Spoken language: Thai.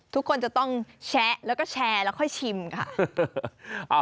ทุกคนจะต้องแชะแล้วก็แชร์แล้วค่อยชิมค่ะ